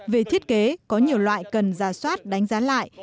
về thiết kế có nhiều loại cần giả soát đánh giá lại